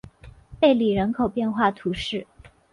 贝里人口变化图示